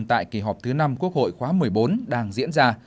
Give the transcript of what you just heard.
tại kỳ họp thứ năm quốc hội khóa một mươi bốn đang diễn ra